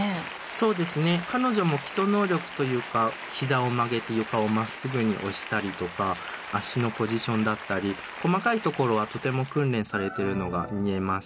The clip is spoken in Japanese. そうですね彼女も基礎能力というか膝を曲げて床をまっすぐに押したりとか足のポジションだったり細かいところはとても訓練されてるのが見えます。